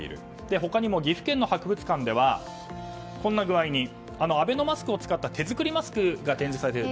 他にも岐阜県の博物館ではこんな具合にアベノマスクを使った、手作りマスクが展示されていて。